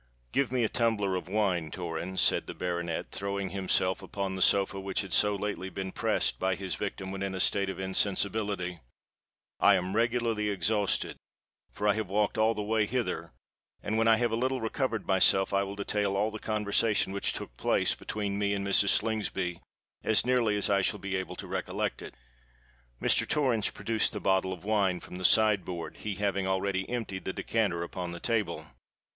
"Give me a tumbler of wine, Torrens," said the baronet, throwing himself upon the sofa which had so lately been pressed by his victim when in a state of insensibility: "I am regularly exhausted, for I have walked all the way hither;—and, when I have a little recovered myself, I will detail all the conversation which took place between me and Mrs. Slingsby, as nearly as I shall be able to recollect it." Mr. Torrens produced a bottle of wine from the side board, he having already emptied the decanter upon the table.